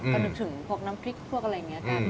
ก็นึกถึงพวกน้ำพริกพวกอะไรอย่างนี้กัน